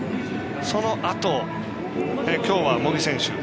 そのあと、きょうは茂木選手。